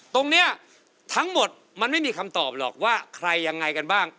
ตรงนี้ทั้งหมดมันไม่มีคำตอบหรอกว่าใครยังไงกันบ้าง